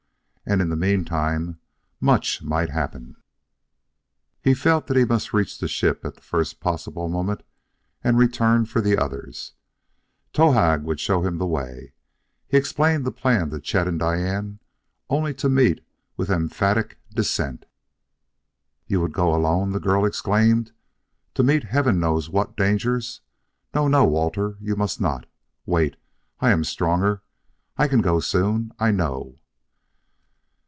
And in the meantime much might happen. He felt that he must reach the ship at the first possible moment and return for the others; Towahg would show him the way. He explained the plan to Chet and Diane only to meet with emphatic dissent. "You would go alone?" the girl exclaimed. "To meet heaven knows what dangers? No, no, Walter; you must not! Wait; I am stronger; I can go soon, I know."